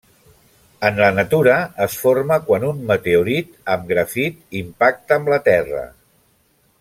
En la natura, es forma quan un meteorit amb grafit impacta amb la Terra.